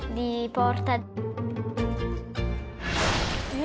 え？